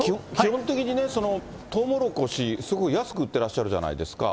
基本的にとうもろこし、すごい安く売っていらっしゃるじゃないですか。